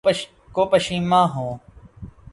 کو پشیماں ہوں